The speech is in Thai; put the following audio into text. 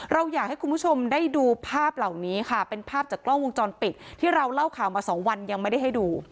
เราอยากให้คุณผู้ชมได้ดูภาพเหล่านี้ค่ะเป็นภาพจากกล้องวงจรปิดที่เราเล่าข่าวมาสองวันยังไม่ได้ให้ดู